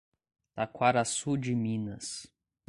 Taquaraçu de Minas